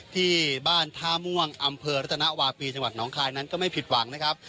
ที่บ้านทาม่วงอำเภอศรัจฯนวาปีชนองคลายนั้นก็ไม่ผิดหวังนะครับ